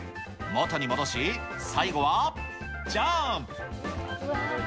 元に戻し、最後はジャンプ。